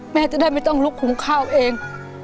แม่จะได้ไม่ต้องลุกหุงข้าวเอง